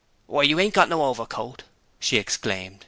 'Why, you ain't got no overcoat!' she exclaimed.